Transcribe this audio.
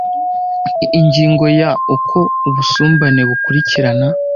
ingingo ya uko ubusumbane bukurikirana